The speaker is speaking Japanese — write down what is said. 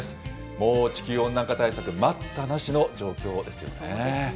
もう地球温暖化対策、待ったなしの状況ですよね。